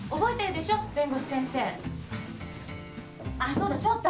そうだ翔太。